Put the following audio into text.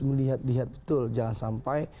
melihat lihat betul jangan sampai